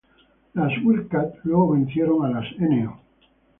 Las Wildcat luego vencieron a las No.